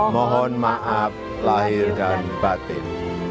mohon maaf lahir dan batin